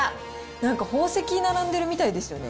なんか宝石並んでるみたいですよね。